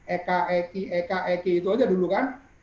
eka eki eka eki itu aja dulu kan